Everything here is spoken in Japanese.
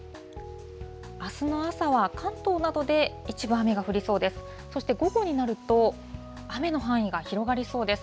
あすの朝は、関東などで一部雨が降りそうです。